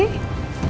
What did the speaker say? ya siap siap